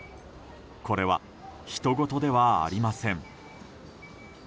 これはひとごとではありません。